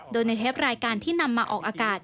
โดยในเทปรายการที่นำมาออกอากาศ